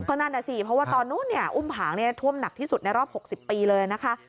ก็นั่นน่ะสิเพราะว่าตอนนู้นอุ้มผางท่วมหนักที่สุดในรอบ๖๐ปีเลยนะคะ